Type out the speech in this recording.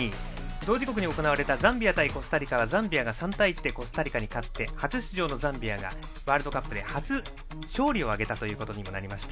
同時刻に行われたザンビア対コスタリカがザンビアが３対１でコスタリカに勝って初出場のザンビアがワールドカップで初勝利を挙げました。